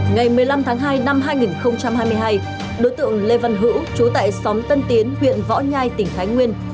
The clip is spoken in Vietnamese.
ngày một mươi năm tháng hai năm hai nghìn hai mươi hai đối tượng lê văn hữu chú tại xóm tân tiến huyện võ nhai tỉnh thái nguyên